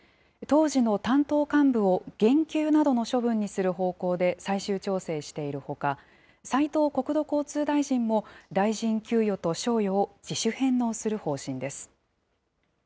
当時の担当幹部を減給などの処分にする方向で最終調整しているほか、斉藤国土交通大臣も、大臣給与と賞与を自主返納する方針です。